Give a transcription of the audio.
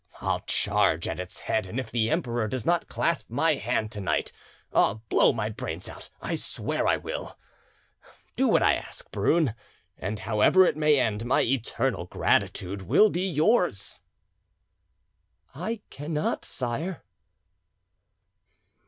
I'll charge at its head, and if the Emperor does not clasp my hand to night, I'll blow my brains out, I swear I will. Do what I ask, Brune, and however it may end, my eternal gratitude will be yours!" "I cannot, sire."